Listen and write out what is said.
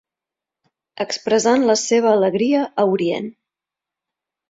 Expressant la seva alegria a Orient.